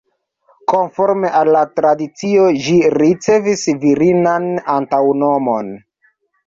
Konforme al la tradicio, ĝi ricevis virinan antaŭnomon.